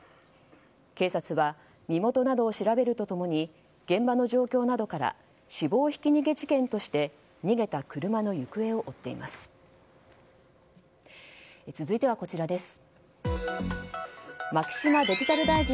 警察は身元などを調べると共に現場の状況などから死亡ひき逃げ事件として逃げた車の行方を追っています。